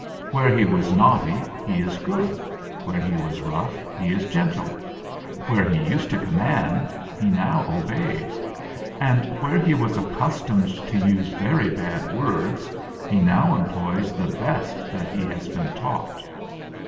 Where he was naughty, he is good; where he was rough, he is gentle ; where he used to command, THE EXAMINATION 235 he now obeys ; and where he was accustomed to use very bad words, he now employs the best that he has been taught.